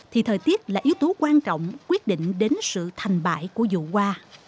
thì thời tiết là yếu tố quan trọng quyết định đến sự thành bại của dụ hoa